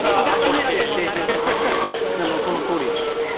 でも、そのとおりですね。